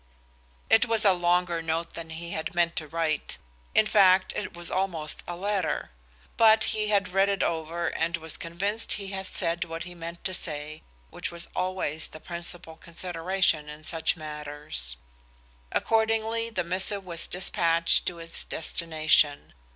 It was a longer note than he had meant to write, in fact it was almost a letter; but he read it over and was convinced he had said what he meant to say, which was always the principal consideration in such matters. Accordingly the missive was dispatched to its destination.